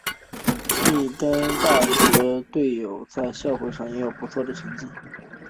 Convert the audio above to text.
密歇根大学狼獾队的校友在奥运会上也有不错的成绩。